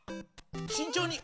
慎重に。